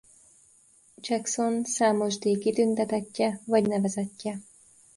Jackson számos díj kitüntetettje vagy nevezettje.